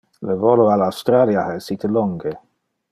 Le volo al Australia ha essite longe.